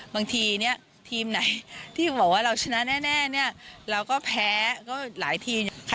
บางทีทีมไหนที่บอกว่าเราชนะแน่เราก็แพ้หลายทีม